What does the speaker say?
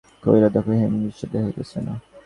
কহিল, দেখো হেম, অবিশ্বাসের কথা হইতেছে না।